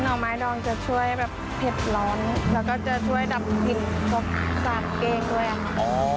่อไม้ดองจะช่วยแบบเผ็ดร้อนแล้วก็จะช่วยดับกลิ่นพวกสามเก้งด้วยค่ะ